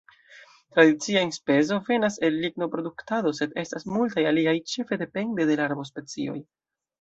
Tradicia enspezo venas el lignoproduktado, sed estas multaj aliaj, ĉefe depende de la arbospecioj.